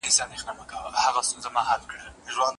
عده د چا لپاره حتمي ده؟